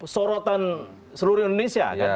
sorotan seluruh indonesia